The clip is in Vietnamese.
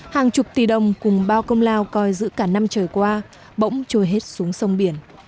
hàng chục tỷ đồng cùng bao công lao coi giữ cả năm trời qua bỗng trôi hết xuống sông biển